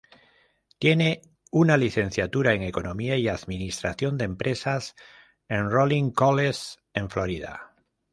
Tiene una licenciatura en economía y administración de empresas en Rollins College en Florida.